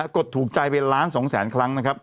กดถูกใจเป็นล้าน๒แสนครั้งนะครับ